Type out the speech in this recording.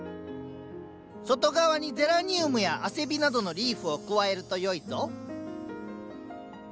外側にゼラニウムやアセビなどのリーフを加えるとよいぞ。